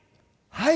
はい。